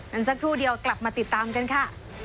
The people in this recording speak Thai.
สักครู่เดียวกลับมาติดตามกันค่ะ